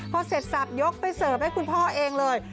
พอเสร็จสับยกไปเสิร์ฟให้คุณพ่อเองเลย